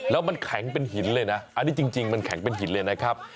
แล้วมันแข็งเป็นหินเลยนะอันนี้จริงมันแข็งเป็นหินเลยนะครับ